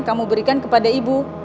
kamu berikan kepada ibu